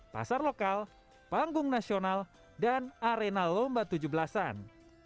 pasar lokal panggung nasional dan arena lomba tujuh belasan